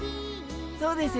そうです。